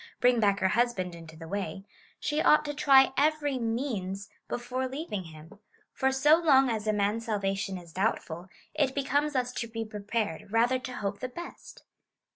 1) bring back her hus band into the way/ she ought to try every means before leaving him ; for so long as a man's salvation is doubtful, it becomes us to be prejmred rather to hope the best.